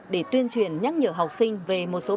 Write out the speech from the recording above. để tuyên truyền nhắc nhở học sinh về một số biện pháp